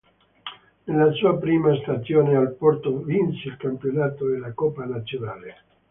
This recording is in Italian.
Nella sua prima stagione al Porto vinse il campionato e la coppa nazionale.